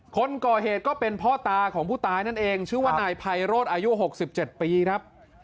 คนก่อเหตุก็เป็นพ่อตาของผู้ตายนั่นเองชื่อว่านายไพโรธอายุ๖๗ปีครับ